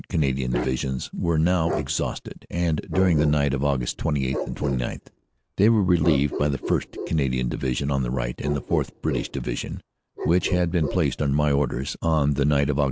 Canadian Divisions were now ex hausted, and during the night of Aug. 28 29 they were relieved by the 1st. Canadian Division on the right, the 4th. (British) Division (which had been placed under my orders on the night of Aug.